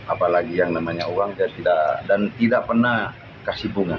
apalagi yang namanya uang dia tidak pernah kasih bunga